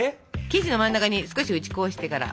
生地の真ん中に少し打ち粉をしてから。